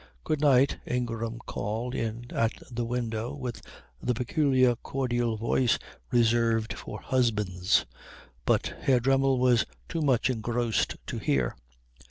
"Good night," Ingram called in at the window with the peculiar cordial voice reserved for husbands; but Herr Dremmel was too much engrossed to hear.